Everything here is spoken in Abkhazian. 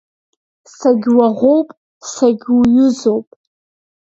Сагьуаӷоуп, сагьуҩызоуп.